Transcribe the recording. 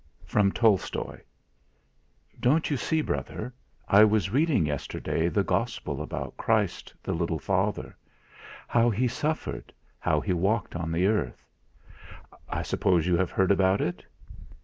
1916 THE JURYMAN "Don't you see, brother, I was reading yesterday the Gospel about Christ, the little Father; how He suffered, how He walked on the earth. I suppose you have heard about it?"